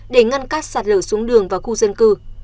để ngăn các sạt lở xuống đường và khu dân cư